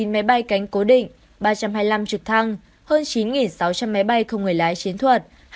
một mươi máy bay cánh cố định ba trăm hai mươi năm trực thăng hơn chín sáu trăm linh máy bay không người lái chiến thuật